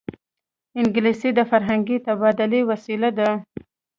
انګلیسي د فرهنګي تبادلې وسیله ده